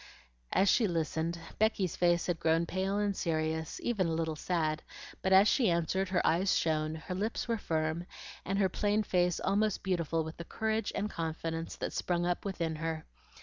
As she listened, Becky's face had grown pale and serious, even a little sad; but as she answered, her eyes shone, her lips were firm, and her plain face almost beautiful with the courage and confidence that sprung up within her.